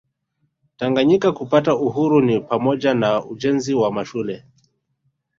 Tanganyika kupata uhuru ni pamoja na ujenzi wa mashule